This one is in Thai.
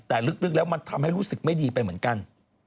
แต่ลึกแล้วมันทำให้รู้สึกไม่ดีไปเหมือนกัน